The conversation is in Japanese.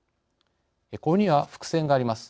これには伏線があります。